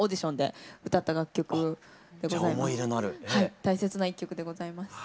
大切な一曲でございます。